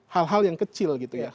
hal hal yang kecil gitu ya